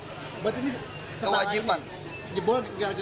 buat ini setelah jebol tidak jelas